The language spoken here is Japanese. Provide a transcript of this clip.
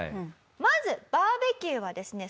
まずバーベキューはですね